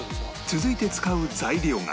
続いて使う材料が